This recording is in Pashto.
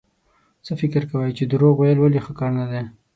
څه فکر کوئ چې دروغ ويل ولې ښه کار نه دی؟